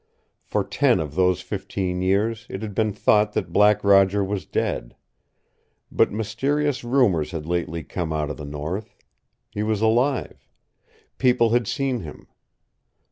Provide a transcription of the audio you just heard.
For ten of those fifteen years it had been thought that Black Roger was dead. But mysterious rumors had lately come out of the North. He was alive. People had seen him.